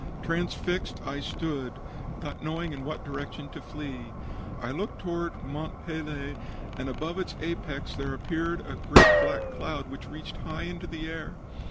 Transfixed I stood, not knowing in what direction to flee. I looked toward Mont Pelee, and above its apex there appeared a great black cloud which reached high in the air.